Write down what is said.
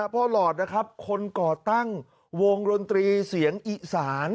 หลอดนะครับคนก่อตั้งวงดนตรีเสียงอีสาน